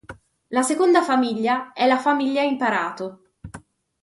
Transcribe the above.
La seconda famiglia è la famiglia Imparato.